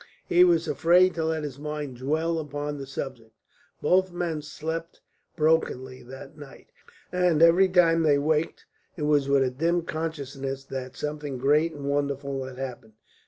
He was afraid to let his mind dwell upon the subject. Both men slept brokenly that night, and every time they waked it was with a dim consciousness that something great and wonderful had happened.